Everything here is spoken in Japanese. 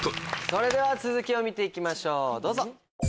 それでは続きを見て行きましょうどうぞ。